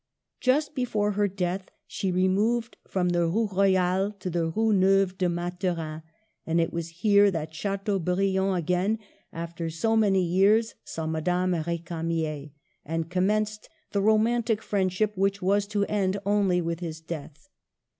Just before her death she removed from the Rue Royale to the Rue Neuve des Mathurins ; and it was here that Chateaubriand again, after so many years, saw Madame R^camier, and com menced the romantic friendship which was to end only with his death.